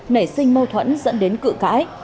nảy sinh mâu thuẫn dẫn đến cự cãi